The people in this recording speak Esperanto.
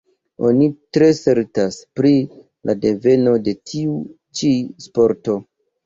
Oni ne tre certas pri la deveno de tiu ĉi sporto.